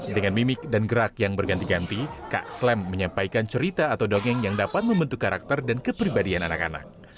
dengan mimik dan gerak yang berganti ganti kak slem menyampaikan cerita atau dongeng yang dapat membentuk karakter dan kepribadian anak anak